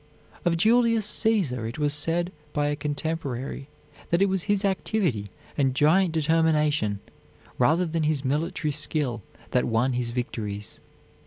Of Julius Caesar it was said by a contemporary that it was his activity and giant determination, rather than his military skill, that won his victories.